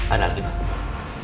ada lagi pak